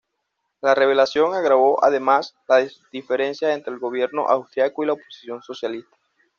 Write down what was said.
La revelación agravó además las diferencias entre el Gobierno austriaco y la oposición socialista.